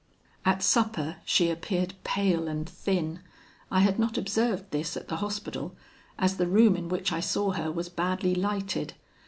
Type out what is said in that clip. "At supper she appeared pale and thin; I had not observed this at the Hospital, as the room in which I saw her was badly lighted.